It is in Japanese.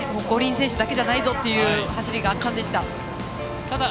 五輪選手だけじゃないぞという走りが圧巻でした。